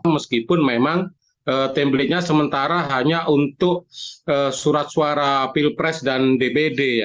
meskipun memang templatenya sementara hanya untuk surat suara pilpres dan dpd